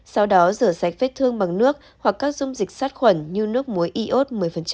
sau đó rửa sạch vết thương bằng nước hoặc các dung dịch sát khuẩn như nước muối iốt một mươi